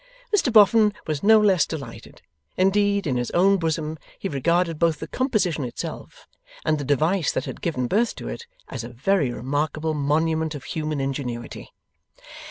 Mr Boffin was no less delighted; indeed, in his own bosom, he regarded both the composition itself and the device that had given birth to it, as a very remarkable monument of human ingenuity.